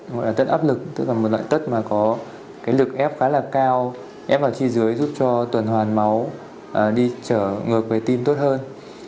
một loại tất áp lực tức là một loại tất mà có cái lực ép khá là cao ép vào chi dưới giúp cho tuần hoàn máu đi trở ngược về tim tốt hơn